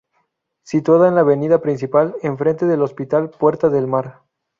Situada en la avenida principal, enfrente del Hospital Puerta del Mar.